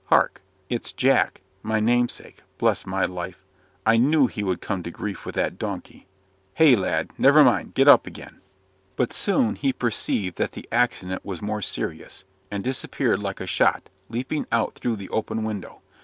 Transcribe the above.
Hark!" "It's Jack, my namesake. Bless my life! I knew he would come to grief with that donkey. Hey, lad! never mind. Get up again." But soon he perceived that the accident was more serious; and disappeared like a shot, leaping out through the open window.